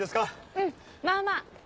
うんまあまあ。